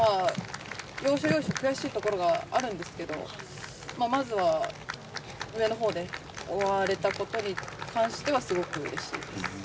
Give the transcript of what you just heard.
要所要所、悔しいところがあるんですけどまずは上のほうで終われたことに関してはすごくうれしいです。